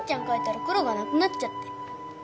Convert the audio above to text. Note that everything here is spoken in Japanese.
描いたら黒がなくなっちゃって